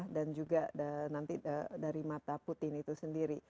dan juga nanti dari mata putin itu sendiri